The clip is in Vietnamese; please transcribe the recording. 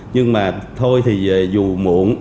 nhưng mà thôi thì về dù muộn